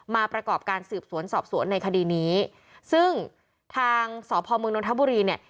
ประกอบการสืบสวนสอบสวนในคดีนี้ซึ่งทางสพมนนทบุรีเนี่ย